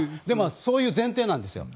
でも、そういう前提なんです。